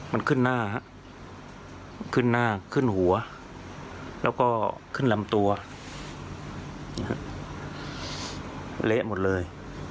มันขึ้นหน้าขึ้นหน้าขึ้นหัวแล้วก็ขึ้นลำตัวเละหมดเลย